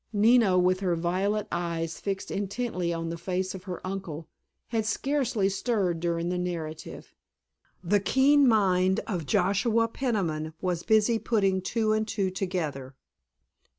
Nina, with her violet eyes fixed intently on the face of her uncle, had scarcely stirred during the narrative. The keen mind of Joshua Peniman was busy putting two and two together.